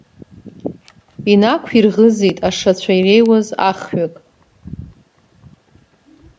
Инақәирӷызит ашацәа иреиуаз ахҩык.